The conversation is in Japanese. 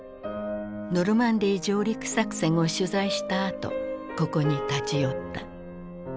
ノルマンディー上陸作戦を取材したあとここに立ち寄った。